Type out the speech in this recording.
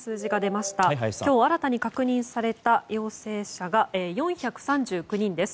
今日新たに確認された陽性者が４３９人です。